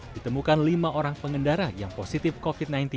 ditemukan lima orang pengendara yang positif covid sembilan belas